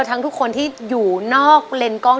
ทั้งทุกคนที่อยู่นอกเลนกล้อง